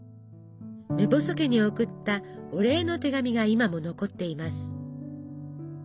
目細家に送ったお礼の手紙が今も残っています。